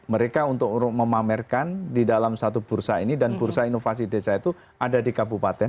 mereka untuk memamerkan di dalam satu bursa ini dan bursa inovasi desa itu ada di kabupaten